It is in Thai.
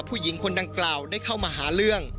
ช่วยเร่งจับตัวคนร้ายให้ได้โดยเร่ง